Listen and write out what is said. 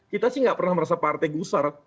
kita sih nggak pernah merasa partai gusar